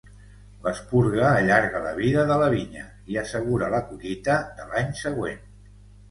L'esporga allarga la vida de la vinya i assegura la collita de l'any següent.